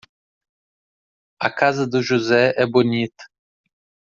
A casa do José é bonita.